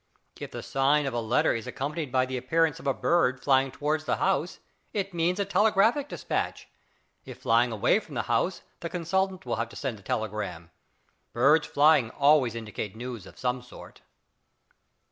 If the sign of a letter is accompanied by the appearance of a bird flying towards the 'house' it means a telegraphic despatch: if flying away from the house the consultant will have to send the telegram. Birds flying always indicate news of some sort.